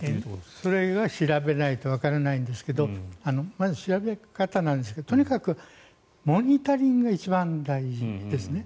それが調べないとわからないんですが調べ方ですが、とにかくモニタリングが一番大事です。